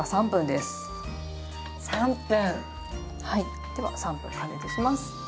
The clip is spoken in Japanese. では３分加熱します。